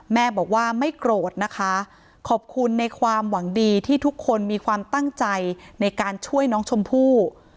แม่บอกว่าไม่โกรธนะคะขอบคุณในความหวังดีที่ทุกคนมีความตั้งใจในการช่วยน้องชมพู่